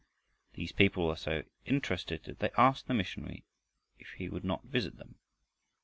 These people were so interested that they asked the missionary if he would not visit them.